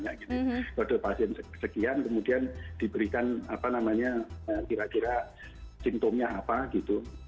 kode pasien sekian kemudian diberikan apa namanya kira kira simptomnya apa gitu